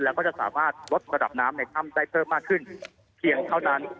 แล้วก็จะสามารถลดระดับน้ำในถ้ำได้เพิ่มมากขึ้นเพียงเท่านั้น